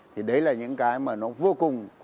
thì đấy là những cái mà nó vô cùng